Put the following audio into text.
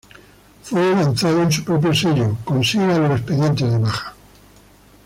Fue lanzado en su propio sello Consiga los expedientes de baja